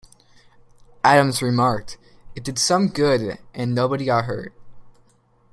Adams remarked, It did some good and nobody got hurt.